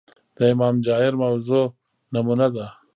د امام جائر موضوع نمونه ده